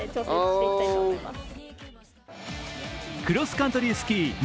クロスカントリー２０